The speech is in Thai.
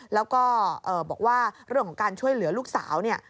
แล้วก็บอกว่าเรื่องของการช่วยเหลือลูกสาวเนี่ย